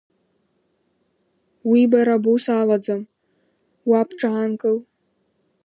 Уи бара бус алаӡам, уа бҽаанкыл!